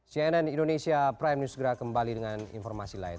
cnn indonesia prime news segera kembali dengan informasi lain